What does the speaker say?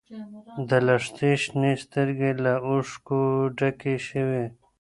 د لښتې شنې سترګې له اوښکو ډکې شوې.